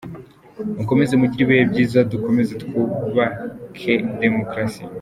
Mukomeze mugire ibihe byiza, dukomeze twubake demokarasi..”